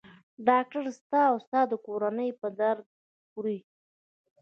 ډاکټر ستا او ستا د کورنۍ په درد خوري.